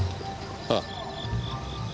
ああ。